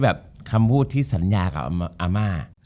จบการโรงแรมจบการโรงแรม